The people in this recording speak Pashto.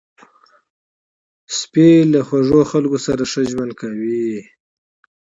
سپي له خوږو خلکو سره ښه ژوند کوي.